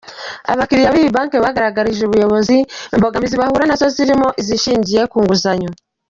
Abakiliya b’iyi banki bagaragarije ubuyobozi imbogamizi bahura na zo zirimo izishingiye ku nguzanyo.